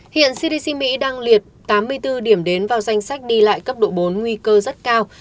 hiện cdc mỹ đang liệt tám mươi bốn điểm đến vào danh sách đi lại cấp độ bốn nguy cơ rất cao